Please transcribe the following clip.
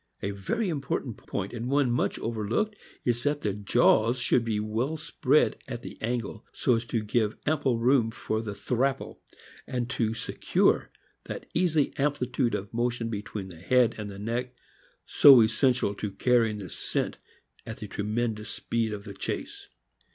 A very important point, and one much overlooked, is that the jaws should be well spread at the angle, so as to give ample room for the thrapple, and to secure that easy amplitude of motion between the head and neck so essential to carrying the scent at the tremendous speed of the chase.